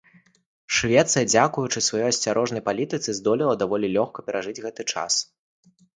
Швецыя дзякуючы сваёй асцярожнай палітыцы здолела даволі лёгка перажыць гэты час.